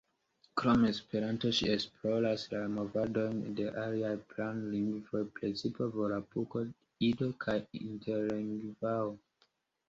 Krom Esperanto ŝi esploras la movadojn de aliaj planlingvoj, precipe volapuko, ido kaj interlingvao.